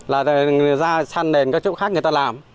là ra san đền các chỗ khác người ta làm